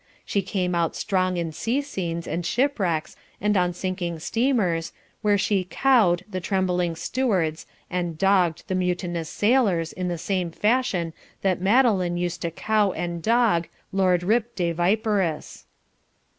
She came out strong in sea scenes and shipwrecks, and on sinking steamers, where she "cowed" the trembling stewards and "dogged" the mutinous sailors in the same fashion that Madeline used to "cow" and "dog" Lord Rip de Viperous.